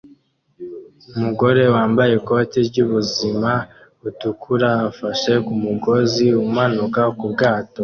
Umugabo wambaye ikoti ry'ubuzima butukura afashe ku mugozi umanuka mu bwato